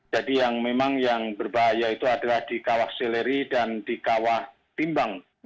jadi yang memang yang berbahaya itu adalah di kawasileri dan di kawah timbang